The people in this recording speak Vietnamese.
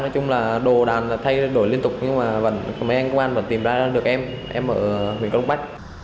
nói chung là đồ đàn thay đổi liên tục nhưng mà mấy anh công an vẫn tìm ra được em em ở huyện grom park